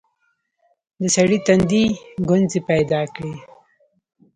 د سړي تندي ګونځې پيدا کړې.